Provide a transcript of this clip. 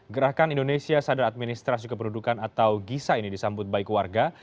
gerakan indonesia sadar administrasi kependudukan atau gisa ini disambut baik warga